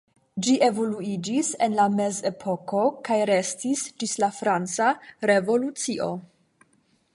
Ĝi evoluiĝis en la mezepoko kaj restis ĝis la Franca revolucio.